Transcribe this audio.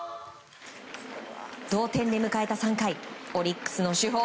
同点で迎えた３回オリックスの主砲